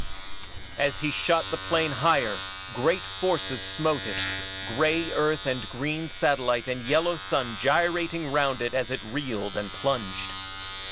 As he shot the plane higher, great forces smote it, gray Earth and green satellite and yellow sun gyrating round it as it reeled and plunged.